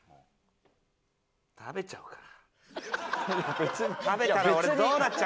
食べちゃおうかな。